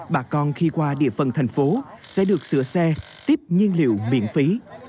bà con khi qua địa phần thành phố sẽ được sửa xe tiếp nhiên liệu miễn phí